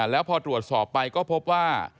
แล้วพอตรวจสอบไปก็พบว่า